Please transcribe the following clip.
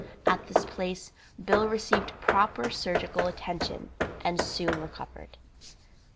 At this place Bill received proper surgical attention and soon recovered.